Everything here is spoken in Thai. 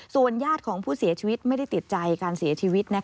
ญาติของผู้เสียชีวิตไม่ได้ติดใจการเสียชีวิต